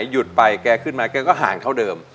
หยุดไปแกขึ้นมาแกก็ห่างเท่าเดิม